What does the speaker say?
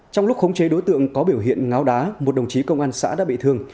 trong lúc khống chế đối tượng có biểu hiện ngáo đá một đồng chí công an xã đã bị thương